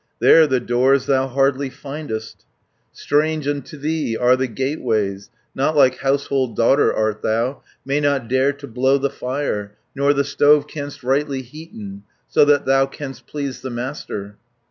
"There the doors thou hardly findest, Strange unto thee are the gateways, Not like household daughter art thou, May not dare to blow the fire, Nor the stove canst rightly heaten, So that thou canst please the master.